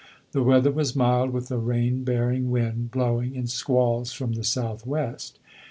The weather was mild, with a rain bearing wind blowing in squalls from the south west.